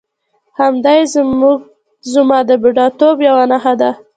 همدایې زما د بوډاتوب یوه نښه ده.